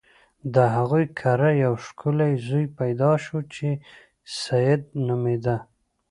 د هغوی کره یو ښکلی زوی پیدا شو چې سید نومیده.